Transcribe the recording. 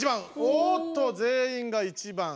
おっと全員が１番。